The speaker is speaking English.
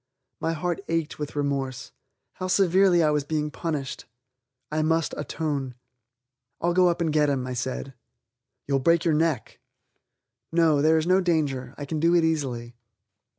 My heart ached with remorse. How severely I was being punished! I must atone. "I'll go up and get him," I said. "You'll break your neck." "No, there is no danger. I can do it easily."